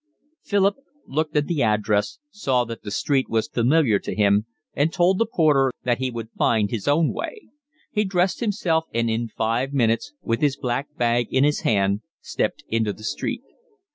Philip looked at the address, saw that the street was familiar to him, and told the porter that he would find his own way. He dressed himself and in five minutes, with his black bag in his hand, stepped into the street.